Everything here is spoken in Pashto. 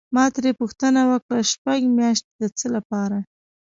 ما ترې پوښتنه وکړه: شپږ میاشتې د څه لپاره؟